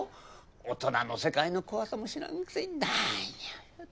大人の世界の怖さも知らんくせに何を。